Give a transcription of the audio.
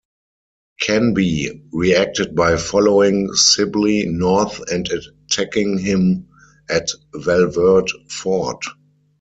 Canby, reacted by following Sibly north and attacking him at Valverde Ford.